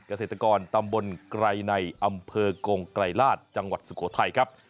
เกษตรกรตำบลไกรในอำเภอกงไกรราชจังหวัดสุโขทัยครับ